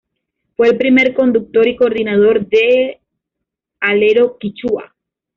Fue el primer conductor y coordinador del Alero quichua.